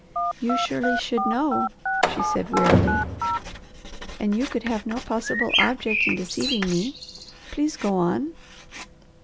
"You surely should know," she said wearily, "and you could have no possible object in deceiving me. Please go on."